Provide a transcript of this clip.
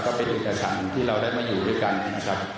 ก็เป็นเอกสารที่เราได้มาอยู่ด้วยกันนะครับ